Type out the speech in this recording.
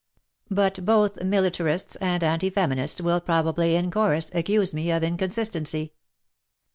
But both militarists and anti feminists will probably. In chorus, accuse me of inconsistency.